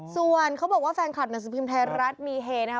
ส่วนเขาบอกว่าแฟนคลับหนังสือพิมพ์ไทยรัฐมีเฮนะคะ